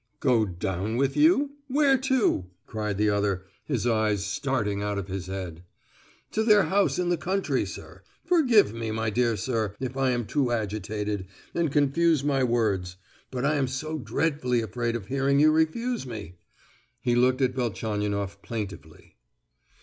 "Go down with you? Where to?" cried the other, his eyes starting out of his head. "To their house in the country, sir. Forgive me, my dear sir, if I am too agitated, and confuse my words; but I am so dreadfully afraid of hearing you refuse me." He looked at Velchaninoff plaintively.